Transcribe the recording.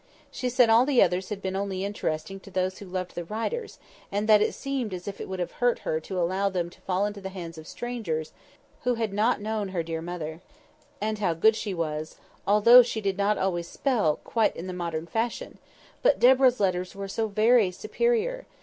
She said all the others had been only interesting to those who loved the writers, and that it seemed as if it would have hurt her to allow them to fall into the hands of strangers, who had not known her dear mother, and how good she was, although she did not always spell, quite in the modern fashion; but Deborah's letters were so very superior!